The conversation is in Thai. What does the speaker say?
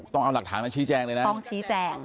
ต้องเอาหลักฐานมาชี้แจงเลยนะต้องชี้แจง